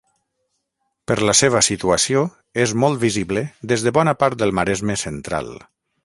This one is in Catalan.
Per la seva situació és molt visible des de bona part del Maresme central.